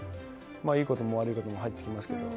いいことも悪いことも入ってきますけど。